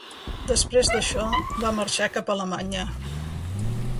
Després d’això va marxar cap a Alemanya.